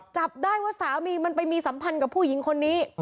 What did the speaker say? จับได้ว่าสามีมันไปมีสัมพันธ์กับผู้หญิงคนนี้